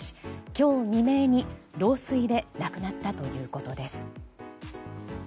今日未明に老衰で亡くなったということです。